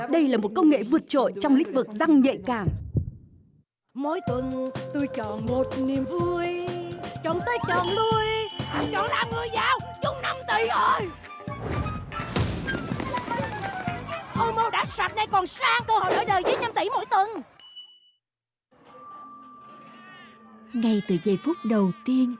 đây là một công nghệ vượt trội trong lĩnh vực răng nhạy cảm